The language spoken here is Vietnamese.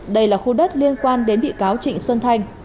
đây là khu đất liên quan đến bị cáo trịnh xuân thanh